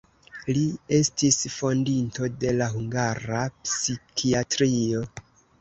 Li estis fondinto de la hungara psikiatrio.